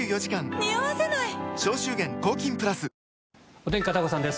お天気、片岡さんです。